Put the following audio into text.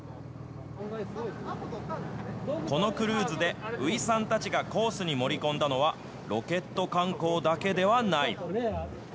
このクルーズで、宇井さんたちがコースに盛り込んだのは、ロケット観光だけではない。